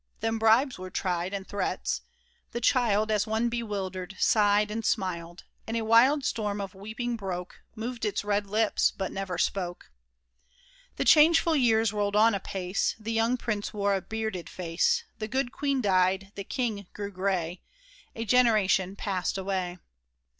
Then bribes were tried, and threats. The child, As one bewildered, sighed and smiled. In a wild storm of weeping broke, Moved its red lips, but never spoke. The changeful years rolled on apace ; The young prince wore a bearded face ; The good queen died ; the king grew gray ; A generation passed away.